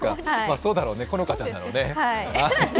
そうだろうね、好花ちゃんだろうね。